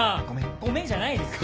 ごめんじゃないですよ。